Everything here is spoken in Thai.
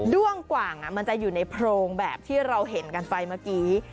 ้วงกว่างมันจะอยู่ในโพรงแบบที่เราเห็นกันไปเมื่อกี้